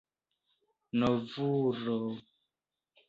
novulo